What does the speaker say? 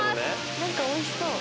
何かおいしそう。